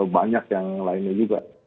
banyak yang lainnya juga